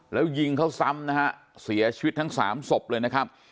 แล้วยิงเขาซ้ำนะฮะเสียชีวิตทั้งสามศพเลยนะครับ